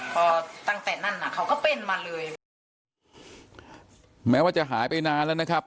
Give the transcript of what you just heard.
พอตั้งแต่นั้นน่ะเขาก็เป็นมาเลยแม้ว่าจะหายไปนานแล้วนะครับ